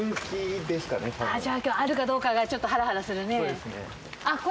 あぁじゃあ今日あるかどうかがちょっとハラハラするね。